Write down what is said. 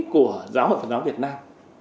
của giáo hội phật giáo việt nam